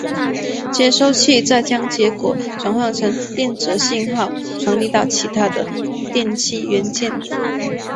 接收器再将结果转换成电子信号传递到其它的电气元件。